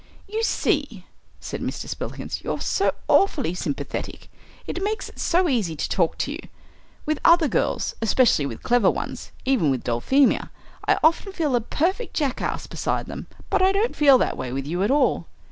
"You see," said Mr. Spillikins, "you're so awfully sympathetic. It makes it so easy to talk to you. With other girls, especially with clever ones, even with Dulphemia. I often feel a perfect jackass beside them. But I don t feel that way with you at all."